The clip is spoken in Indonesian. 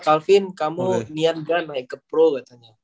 kalvin kamu niat gak naik ke pro katanya